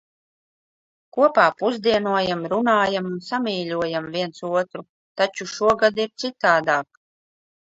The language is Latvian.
Kopā pusdienojam, runājam un samīļojam viens otru. Taču šogad ir citādāk.